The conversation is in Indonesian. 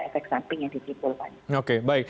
efek samping yang ditipu